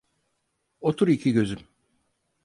Otur iki gözüm.